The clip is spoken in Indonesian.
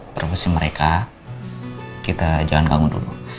perhubungan mereka kita jangan ganggu dulu